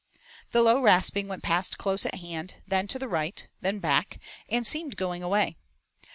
The low rasping went past close at hand, then to the right, then back, and seemed going away.